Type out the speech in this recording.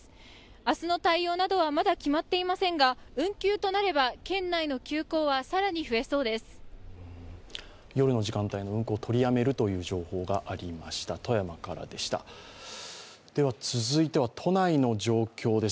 明日の対応などはまだ決まっていませんが、運休となれば県内の休校は更に増えそうです。